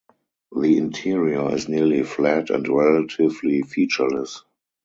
The interior is nearly flat and relatively featureless.